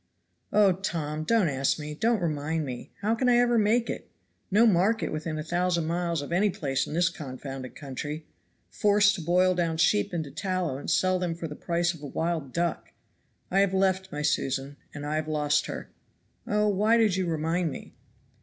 "Oh, Tom! don't ask me, don't remind me! How can I ever make it? No market within a thousand miles of any place in this confounded country! Forced to boil down sheep into tallow and sell them for the price of a wild duck! I have left my Susan, and I have lost her. Oh, why did you remind me?"